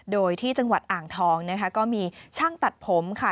โดยที่จังหวัดอ่างทองนะคะก็มีช่างตัดผมค่ะ